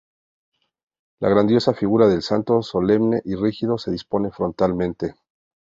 La grandiosa figura del santo, solemne y rígido, se dispone frontalmente.